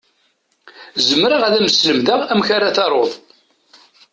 Zemreɣ ad m-slemdeɣ amek ara taruḍ.